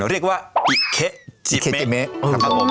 เรียกว่าอิเคจิเมครับ